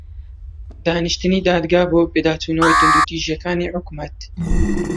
دانیشتنی دادگا بۆ پێداچوونەوەی توندوتیژییەکانی حکوومەت